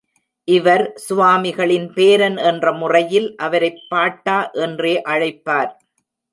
இவர் சுவாமிகளின் பேரன் என்ற முறையில் அவரைப் பாட்டா என்றே அழைப்பார்.